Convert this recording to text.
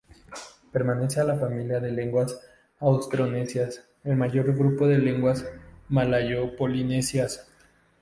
Pertenece a la familia de lenguas austronesias, en el grupo de lenguas malayo-polinesias.